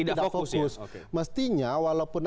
tidak fokus mestinya walaupun